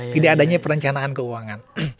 tidak adanya perencanaan keuangan